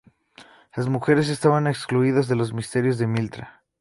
Las mujeres estaban excluidas de los misterios de Mitra.